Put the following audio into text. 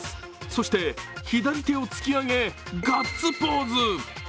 そして、左手を突き上げガッツポーズ。